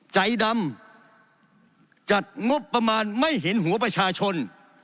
ใจดำจัดงบประมาณไม่เห็นหัวประชาชน